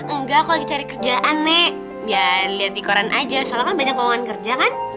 enggak aku lagi cari kerjaan nek ya liat di koran aja soalnya kan banyak ngomongan kerja kan